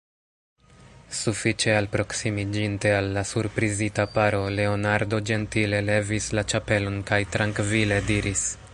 Sufiĉe alproksimiĝinte al la surprizita paro, Leonardo ĝentile levis la ĉapelon kaj trankvile diris: